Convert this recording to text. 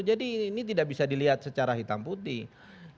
jadi ini tidak bisa dilihat secara hitam putih